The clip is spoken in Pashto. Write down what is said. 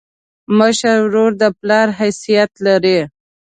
مشر ورور د پلار حیثیت لري.